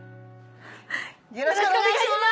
よろしくお願いします！